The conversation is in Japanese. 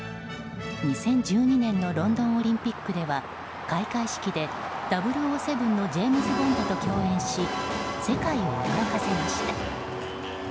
２０１２年のロンドンオリンピックでは開会式で「００７」のジェームズ・ボンドと共演し世界を驚かせました。